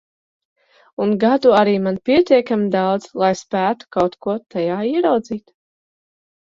Un gadu arī man pietiekami daudz, lai spētu kaut ko tajā ieraudzīt.